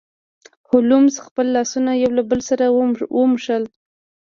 هولمز خپل لاسونه یو له بل سره وموښل.